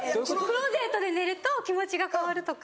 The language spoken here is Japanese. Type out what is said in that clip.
クローゼットで寝ると気持ちが変わるとか。